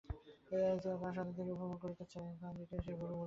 তাহারা সন্তানগুলিকে উপভোগ করিতে চায়, তাহাদিগকে সেই ভোগের মূল্য দিতে হইবে।